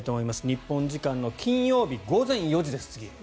日本時間の金曜日午前４時です、次。